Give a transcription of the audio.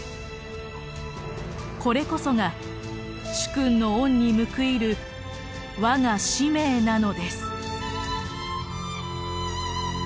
これこそが主君の恩に報いる我が使命なのです」。